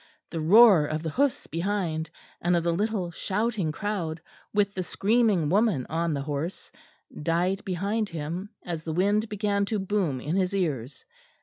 The roar of the hoofs behind, and of the little shouting crowd, with the screaming woman on the horse, died behind him as the wind began to boom in his ears.